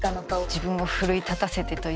自分を奮い立たせてというか。